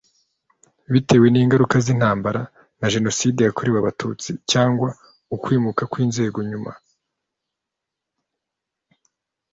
bitewe n ingaruka z intambara na Jenoside yakorewe Abatutsi cyangwa ukwimuka kw inzego nyuma